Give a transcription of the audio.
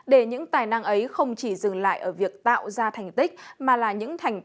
để những tài năng ấy không chỉ dừng lại ở việc tạo ra thành tích